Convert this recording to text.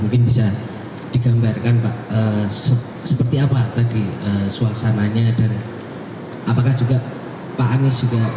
mungkin bisa digambarkan pak seperti apa tadi suasananya dan apakah juga pak anies juga